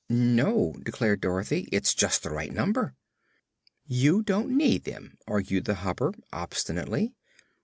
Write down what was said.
"No," declared Dorothy, "it's just the right number." "You don't need them," argued the Hopper, obstinately.